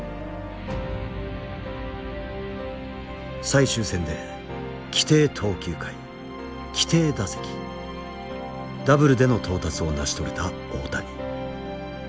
最終戦で規定投球回規定打席ダブルでの到達を成し遂げた大谷。